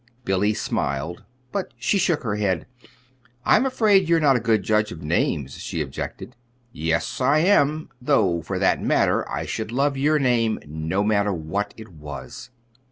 Billy smiled, but she shook her head. "I'm afraid you're not a good judge of names," she objected. "Yes, I am; though, for that matter, I should love your name, no matter what it was."